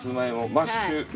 マッシュ。